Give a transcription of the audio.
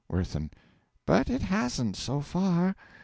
WIRTHIN. But it hasn't, so far.